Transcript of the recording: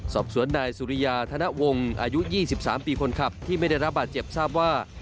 สอบสวนนายสุริยาธนวงศ์อายุ๒๓ปีคนขับที่ไม่ได้รับบาดเจ็บทราบว่า